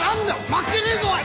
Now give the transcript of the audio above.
負けねえぞおい！